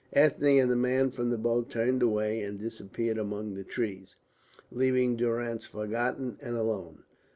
Ethne and the man from the boat turned away and disappeared amongst the trees, leaving Durrance forgotten and alone.